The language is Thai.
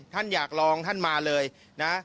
ท่านอยากลองท่านมาเลยนะ